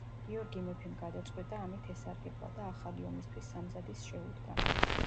გიორგი მეფემ გადაწყვიტა ამით ესარგებლა და ახალი ომისთვის სამზადისს შეუდგა.